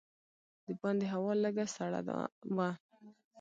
د باندې هوا لږه سړه وه.